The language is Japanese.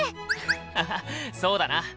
ハハそうだな。